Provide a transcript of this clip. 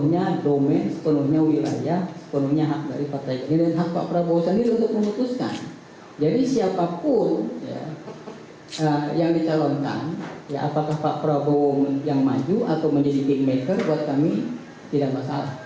nah yang dicalonkan ya apakah pak prabowo yang maju atau menjadi kingmaker buat kami tidak masalah